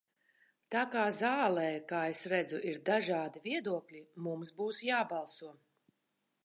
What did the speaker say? Tā kā zālē, kā es redzu, ir dažādi viedokļi, mums būs jābalso.